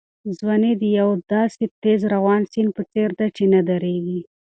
ځواني د یو داسې تېز روان سیند په څېر ده چې نه درېږي.